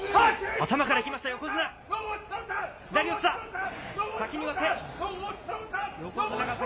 頭からいきました、横綱。